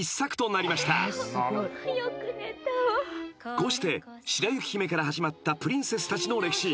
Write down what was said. ［こうして『白雪姫』から始まったプリンセスたちの歴史］